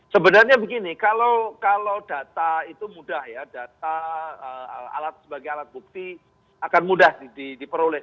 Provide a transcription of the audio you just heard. sebenarnya begini kalau data itu mudah ya data alat sebagai alat bukti akan mudah diperoleh